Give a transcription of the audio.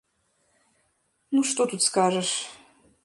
Ну, што тут скажаш?